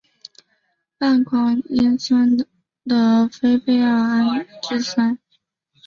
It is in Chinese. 半胱氨酸的非必需氨基酸。